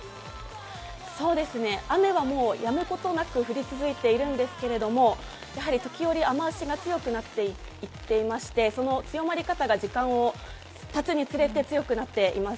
雨はもうやむことなく降り続いているんですけども、やはり時折雨足が強くなっていっていまして、その強まり方が時間がたつにつれて強くなっています。